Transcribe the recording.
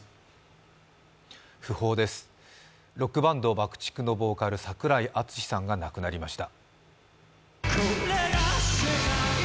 訃報です、ロックバンドＢＵＣＫ−ＴＩＣＫのボーカル、櫻井敦司さんが亡くなりました。